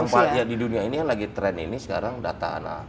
yang paling ya di dunia ini yang lagi trend ini sekarang data anak